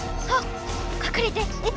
あっかくれて。